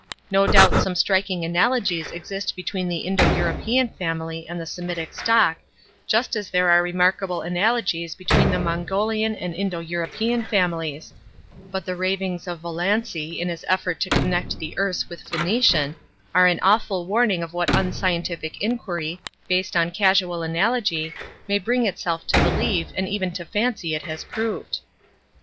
No doubt some striking analogies exist between the Indo European family and the Semitic stock, just as there are remarkable analogies between the Mongolian and Indo European families; but the ravings of Vallancy, in his effort to connect the Erse with Phoenician, are an awful warning of what unscientific inquiry, based upon casual analogy, may bring itself to believe, and even to fancy it has proved.